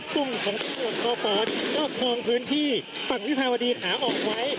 ตรงของดินแดงก็ปรองพื้นที่ฝั่งวิภาวดีขาออกไว้